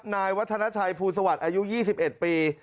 นายวัฒนาชัยภูรสวรรค์อายุยี่สิบเอ็ดปี